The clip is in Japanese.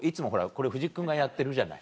これ藤木君がやってるじゃない。